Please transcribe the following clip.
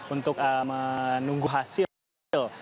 untuk menunggu hasil